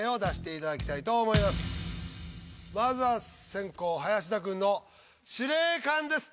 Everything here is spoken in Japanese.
まずは先攻・林田君の「司令官」です。